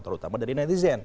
terutama dari netizen